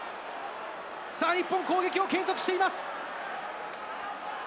さあ、日本、攻撃を継続しています。